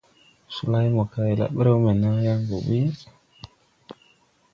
Solay mo kay la ɓrɛw mbɛ naa yaŋ gɔ ɓuy.